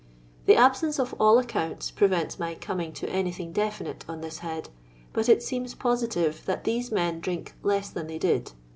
The absence of all aeconnti prevents my coming to anything definite on this head, but it seems posi tive that these men drink less than they did.